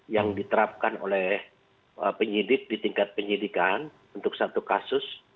yang diterapkan oleh penyidik di tingkat penyidikan untuk satu kasus